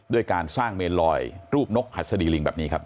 ด้วยการสร้างเมนลอยรูปนกหัสดีลิงแบบนี้ครับ